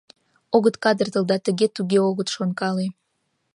Огыт кадыртыл да тыге-туге огыт шонкале.